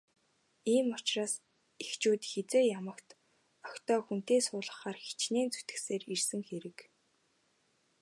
Ийм ч учраас эхчүүд хэзээ ямагт охидоо хүнтэй суулгахаар хичээн зүтгэсээр ирсэн хэрэг.